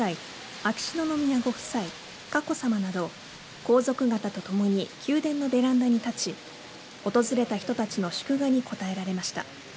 秋篠宮ご夫妻、佳子さまなど皇族方と共に宮殿のベランダに立ち訪れた人たちの祝賀に応えられました。